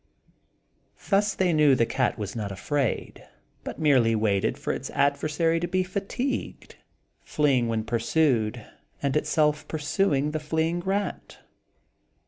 Thus they knew the cat was not afraid, but merely waited for its adversary to be fatigued, fleeing when pursued and itself pursuing the fleeing rat.